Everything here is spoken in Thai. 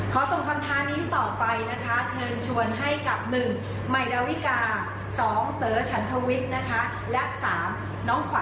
๒เต๋อชันธวิทย์และ๓น้องขวัญจิรักษ์ค่ะ